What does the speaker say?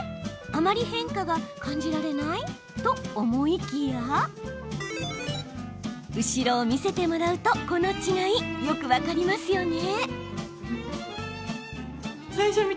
あまり変化が感じられないと思いきや後ろを見せてもらうとこの違い、よく分かりますよね？